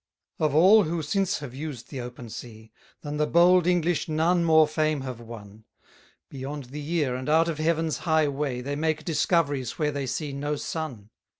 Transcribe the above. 160 Of all who since have used the open sea, Than the bold English none more fame have won: Beyond the year, and out of heaven's high way, They make discoveries where they see no sun.